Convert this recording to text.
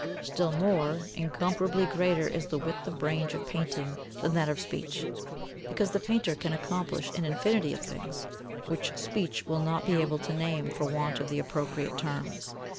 Still more, incomparably greater is the width of range of painting than that of speech, because the painter can accomplish an infinity of things which speech will not be able to name for want of the appropriate terms.